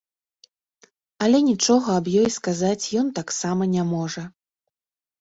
Але нічога аб ёй сказаць ён таксама не можа.